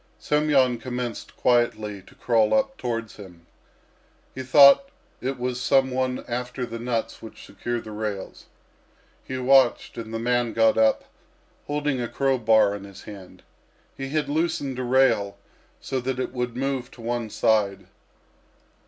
Semyon commenced quietly to crawl up towards him. He thought it was some one after the nuts which secure the rails. He watched, and the man got up, holding a crow bar in his hand. He had loosened a rail, so that it would move to one side.